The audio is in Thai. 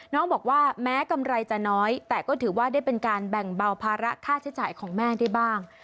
น้องบอกว่าแม้กำไรจะน้อยแต่ก็ถือว่าได้เป็นการแบ่งเบาภาระค่าใช้จ่ายของแม่ได้บ้าง